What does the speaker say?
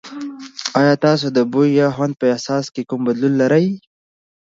ایا تاسو د بوی یا خوند په احساس کې کوم بدلون لرئ؟